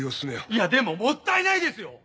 いやでももったいないですよ！